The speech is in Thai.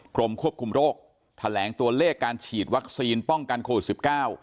กรมควบคุมโรคแถลงตัวเลขการฉีดวัคซีนป้องกันโควิดสิบเก้า